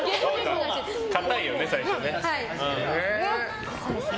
硬いよね、最初。